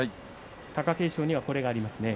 貴景勝には、これがありますね。